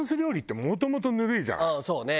うんそうね。